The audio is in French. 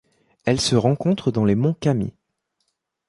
Elle se rencontre dans les monts Kamies.